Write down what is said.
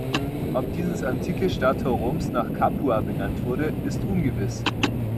Ob dieses antike Stadttor Roms nach Capua benannt wurde, ist ungewiss.